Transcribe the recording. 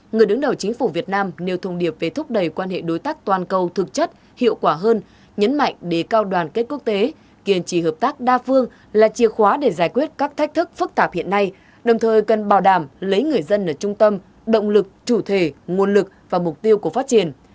người đứng đầu chính phủ việt nam nêu thông điệp về thúc đẩy quan hệ đối tác toàn cầu thực chất hiệu quả hơn nhấn mạnh đề cao đoàn kết quốc tế kiên trì hợp tác đa phương là chìa khóa để giải quyết các thách thức phức tạp hiện nay đồng thời cần bảo đảm lấy người dân ở trung tâm động lực chủ thể nguồn lực và mục tiêu của phát triển